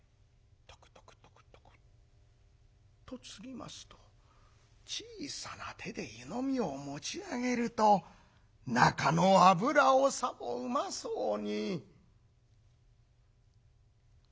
トクトクトクトクとつぎますと小さな手で湯飲みを持ち上げると中の油をさもうまそうに。